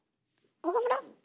岡村。